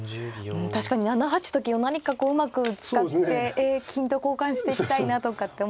うん確かに７八と金は何かこううまく使って金と交換していきたいなとかって思うんですが。